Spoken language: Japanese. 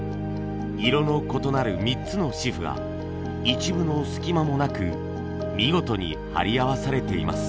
色の異なる３つの紙布が一分の隙間もなく見事に貼り合わされています。